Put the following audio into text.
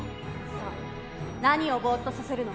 さあ何をボーっとさせるの？